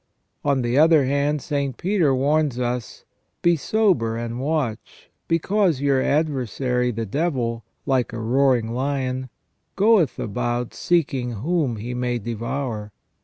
On the other hand, St. Peter warns us :" Be sober and watch ; because your adversary the devil, like a roaring lion, goeth about seeking whom he may devour.